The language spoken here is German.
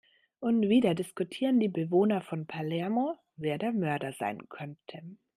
Und wieder diskutieren die Bewohner von Palermo, wer der Mörder sein könnte.